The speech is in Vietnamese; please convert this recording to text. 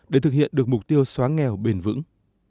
để thực hiện được mục tiêu xóa nghèo bền vững